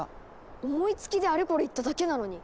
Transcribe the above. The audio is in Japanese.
思いつきであれこれ言っただけなのに。